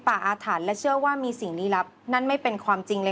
ลูนิจลูนิจอยากเป็นนักข่าวจริงนะ